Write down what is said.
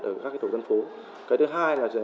ở các tổng dân phố cái thứ hai là